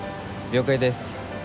了解です。